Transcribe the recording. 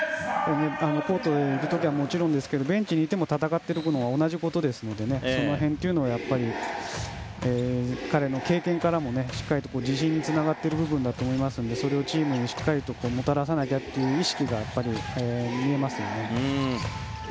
コートに行く時はもちろんですがベンチにいても戦っていることは同じですからその辺は、彼の経験からもしっかりと自信につながっている部分だと思うのでそれをチームにしっかりともたらさなきゃという意識が見えますよね。